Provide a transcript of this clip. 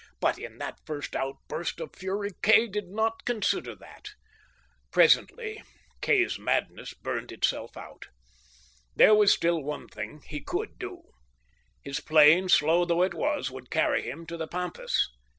But in that first outburst of fury Kay did not consider that. Presently Kay's madness burned itself out. There was still one thing that he could do. His plane, slow though it was, would carry him to the pampas.